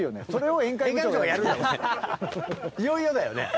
いよいよだよね。